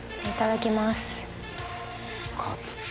いただきます。